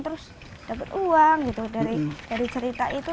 terus dapat uang gitu dari cerita itu